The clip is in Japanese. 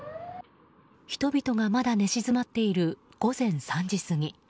人々がまだ寝静まっている午前３時過ぎ。